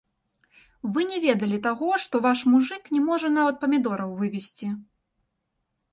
Вы не ведалі таго, што ваш мужык не можа нават памідораў вывесці.